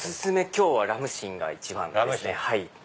今日はラムシンが一番ですね。